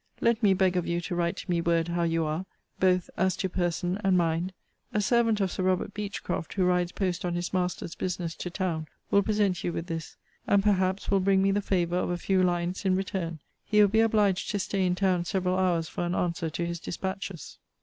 Let me beg of you to write to me word how you are, both as to person and mind. A servant of Sir Robert Beachcroft, who rides post on his master's business to town, will present you with this; and, perhaps, will bring me the favour of a few lines in return. He will be obliged to stay in town several hours for an answer to his dispatches.